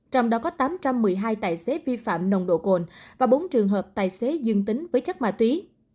trong đó có tám trăm một mươi hai tài xế vi phạm nồng độ cồn và bốn trường hợp tài xế dương tính với chất ma túy